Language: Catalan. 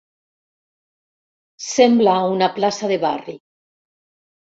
Sembla una plaça de barri.